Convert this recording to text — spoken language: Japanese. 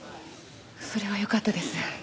それはよかったです。